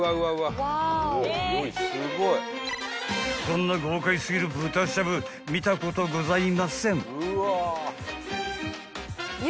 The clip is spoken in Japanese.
［こんな豪快過ぎる豚しゃぶ見たことございません］